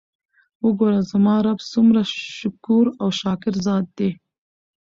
وګوره! زما رب څومره شکور او شاکر ذات دی!!؟